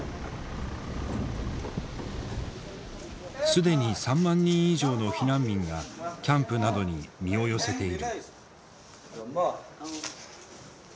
既に３万人以上の避難民がキャンプなどに身を寄せている。